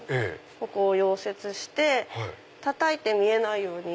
ここを溶接してたたいて見えないように。